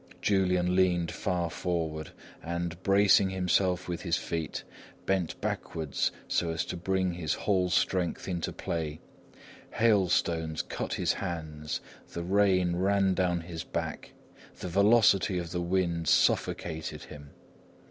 Julian leaned far forward and, bracing himself with his feet, bent backwards so as to bring his whole strength into play. Hail stones cut his hands, the rain ran down his back, the velocity of the wind suffocated him.